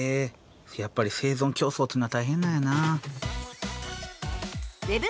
やっぱり生存競争ってのは大変なんやな。